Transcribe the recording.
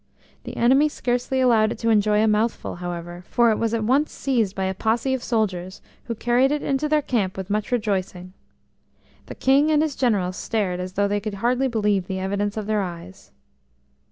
The enemy scarcely allowed it to enjoy a mouthful, however, for it was at once seized by a posse of soldiers, who carried it into their camp with much rejoicing. The King and his generals stared as though they could hardly believe the evidence of their eyes.